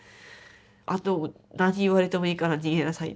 「あと何を言われてもいいから逃げなさい